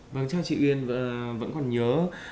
vâng cháu chị uyên vẫn còn nhớ